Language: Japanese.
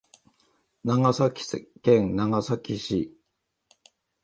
長崎県長崎市